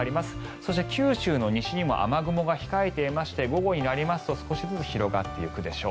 そして九州の西にも雨雲が控えていまして午後になりますと少しずつ広がっていくでしょう。